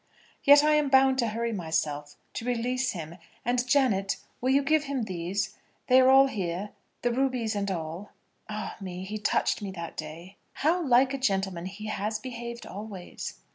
"Yet I am bound to hurry myself, to release him. And, Janet, will you give him these? They are all here, the rubies and all. Ah, me! he touched me that day." "How like a gentleman he has behaved always."